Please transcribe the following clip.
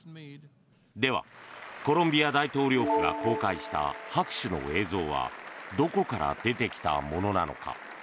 では、コロンビア大統領府が公開した拍手の映像はどこから出てきたものなのか？